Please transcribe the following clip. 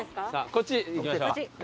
こっち行きましょう。